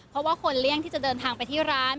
เพราะว่าคนเลี่ยงที่จะเดินทางไปที่ร้าน